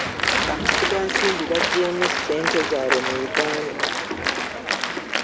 Bamusiga nsimbi baggyeemu ssente zaabwe mu Uganda.